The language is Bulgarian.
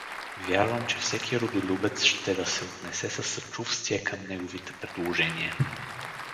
Вярвам, че всеки родолюбец ще да се отнесе със съчувствие към неговите предложения.